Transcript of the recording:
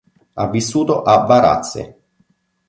Ha vissuto a Varazze.